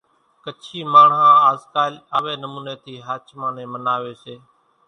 ڪڇي ماڻۿان آز ڪال آوي نموني ٿي ۿاچمان نين مناوي سي۔